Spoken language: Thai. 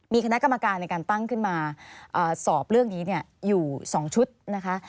มีคณะกรรมการในการตั้งขึ้นมาสอบเรื่องนี้อยู่๒ชุดนะคะ